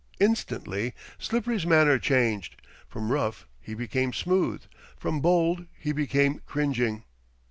Instantly Slippery's manner changed. From rough he became smooth. From bold he became cringing.